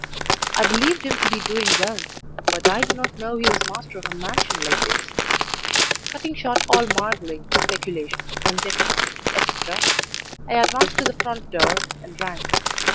'I believed him to be doing well but I did not know he was master of a mansion like this.' Cutting short all marvelling; speculation, conjecture, &c., I advanced to the front door and rang.